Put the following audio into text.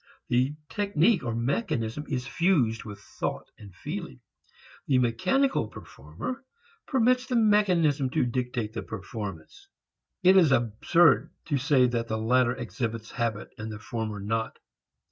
The technique or mechanism is fused with thought and feeling. The "mechanical" performer permits the mechanism to dictate the performance. It is absurd to say that the latter exhibits habit and the former not.